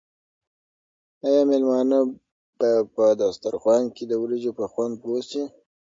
آیا مېلمانه به په دسترخوان کې د وریجو په خوند پوه شي؟